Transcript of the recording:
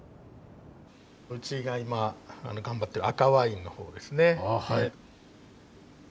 うちが今頑張ってる赤ワインのほうですね。